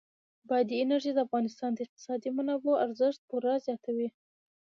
بادي انرژي د افغانستان د اقتصادي منابعو ارزښت پوره زیاتوي.